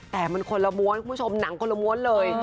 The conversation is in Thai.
แต่มันคนละม้วนคุณผู้ชมหนังคนละม้วนเลย